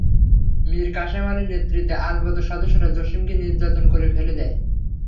মীর কাসেম আলীর নেতৃত্বে আলবদর সদস্যরা জসিমকে নির্যাতন করে ফেলে দেয়।